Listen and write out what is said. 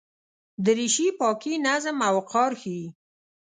دریشي پاکي، نظم او وقار ښيي.